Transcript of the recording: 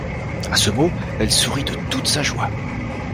A ce mot, elle sourit de toute sa joie.